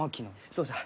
そうじゃ。